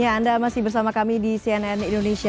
ya anda masih bersama kami di cnn indonesia